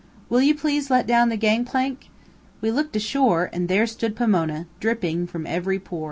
"Will you please let down the gang plank?" We looked ashore, and there stood Pomona, dripping from every pore.